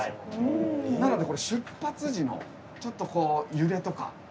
なのでこれ出発時のちょっとこう揺れとか。